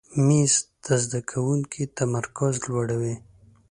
مېز د زده کوونکي تمرکز لوړوي.